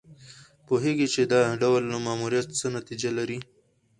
پوهېږي چې دا ډول ماموریت څه نتیجه لري.